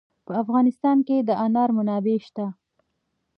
په افغانستان کې د انار منابع شته.